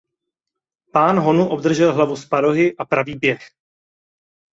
Pán honu obdržel hlavu s parohy a pravý běh.